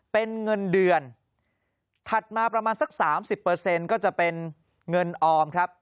เป็นเงินเดือนถัดมาประมาณสัก๓๐ก็จะเป็นเงินออมครับ